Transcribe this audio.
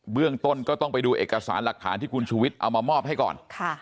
เรื่องต้นก็ต้องไปดูเอกสารหลักฐานที่คุณชูวิทย์เอามามอบให้ก่อน